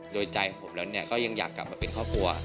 โดยใจของผมแล้วก็ยังอยากกลับมาเป็นครอบครัว